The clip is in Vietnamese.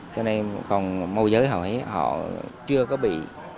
cho nên còn môi giới họ ấy họ chưa có bị